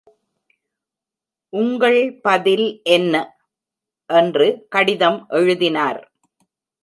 உங்கள் பதில் என்ன? என்று கடிதம் எழுதினார்.